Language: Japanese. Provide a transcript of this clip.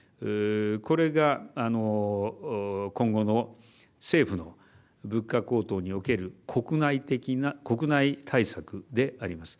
これが今後の政府の物価高騰における国内対策であります。